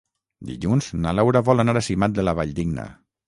Dilluns na Laura vol anar a Simat de la Valldigna.